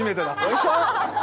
よいしょ！